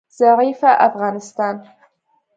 ضعیفه افغانستان